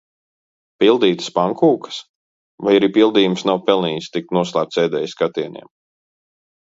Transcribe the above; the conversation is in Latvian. Pildītas pankūkas? Vai arī pildījums nav pelnījis tikt noslēpts ēdēja skatieniem?